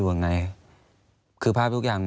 อันดับ๖๓๕จัดใช้วิจิตร